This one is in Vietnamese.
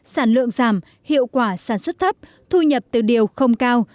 sản lượng giảm hiệu quả sản xuất thấp thu nhập từ điều không cao